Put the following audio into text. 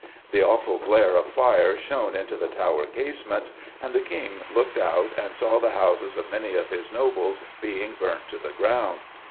The awful glare of fire shone into the Tower casements, and the King looked out and saw the houses of many of his nobles being burnt to the ground.